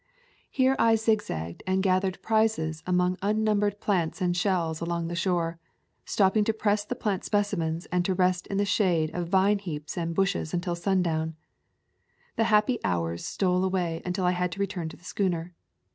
Here I zigzagged and gathered prizes among unnumbered plants and shells along the shore, stopping to press the plant specimens and to rest in the shade of vine heaps and bushes until sundown. The happy hours stole away until I had to return to the schooner.